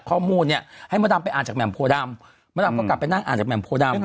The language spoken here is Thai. ข้อมูลเนี่ยให้มดดำไปอ่านจากแหม่มโพดำมดดำก็กลับไปนั่งอ่านจากแหม่มโพดำ